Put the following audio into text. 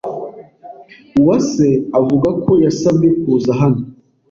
Uwase avuga ko yasabwe kuza hano.